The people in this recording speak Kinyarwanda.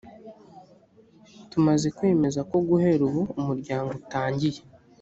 tumaze kwemeza ko guhera ubu umuryango utangiye